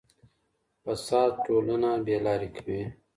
فساد ټولنه بې لاري کوي.